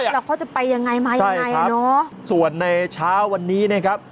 แล้วเขาจะไปยังไงมายังไงเนอะส่วนในเช้าวันนี้นะครับ